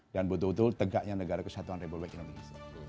dan betul betul tegaknya negara kesatuan republik indonesia